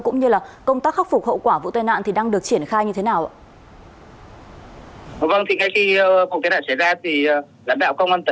cũng như là công tác khắc phục hậu quả vụ tai nạn thì đang được triển khai như thế nào ạ